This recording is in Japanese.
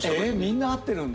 みんな会ってるんだ。